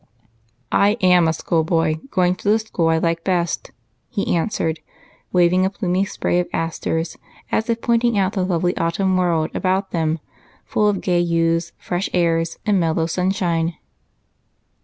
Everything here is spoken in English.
"I am a schoolboy, going to the school I like best," he answered, waving a plumy spray of asters as if pointing out the lovely autumn world about them, full of gay hues, fresh airs, and mellow sunshine.